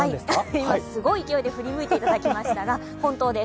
今、すごい勢いで振り向いていただきましたが、本当です。